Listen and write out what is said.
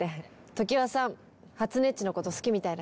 常葉さんはつねっちのこと好きみたいだし。